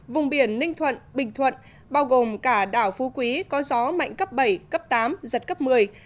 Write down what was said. vùng biển ninh thuận bình thuận bao gồm cả đảo phú quý có gió mạnh cấp bảy cấp tám giật cấp một mươi